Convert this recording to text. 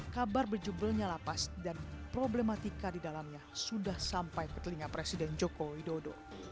kabar berjubelnya lapas dan problematika di dalamnya sudah sampai ke telinga presiden joko widodo